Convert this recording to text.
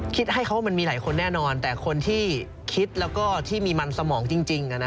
คิดให้เขาว่ามันมีหลายคนแน่นอนแต่คนที่คิดแล้วก็ที่มีมันสมองจริง